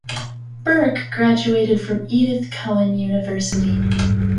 Burke graduated from Edith Cowan University.